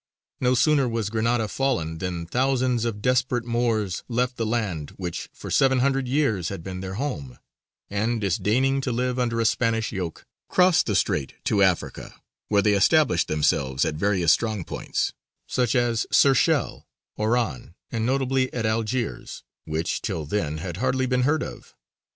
No sooner was Granada fallen than thousands of desperate Moors left the land which for seven hundred years had been their home, and, disdaining to live under a Spanish yoke, crossed the strait to Africa, where they established themselves at various strong points, such as Shershēl, Oran, and notably at Algiers, which till then had hardly been heard of.